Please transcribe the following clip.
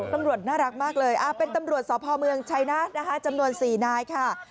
ตำรวจน่ารักมากเลยเป็นตำรวจสพเมืองชัยนาธนะคะจำนวน๔นายค่ะ